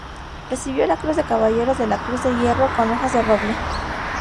Recibió la Cruz de Caballero de la Cruz de Hierro con Hojas de Roble.